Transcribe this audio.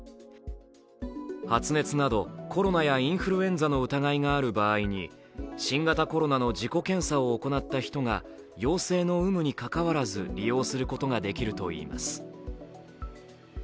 発熱などコロナやインフルエンザの疑いがある場合に新型コロナの自己検査を行った人が陽性の有無に関わらず利用することができるといいます。